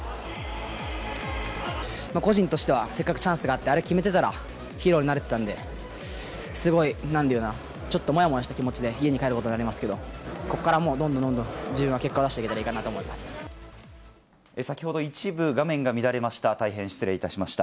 個人としては、せっかくチャンスがあって、あれ、決めてたら、ヒーローになれてたんで、すごい、なんだろうな、ちょっともやもやした気持ちで家に帰ることになりますけれども、ここからどんどんどんどん自分は結果を出していけたらいいなと思先ほど一部画面が乱れました。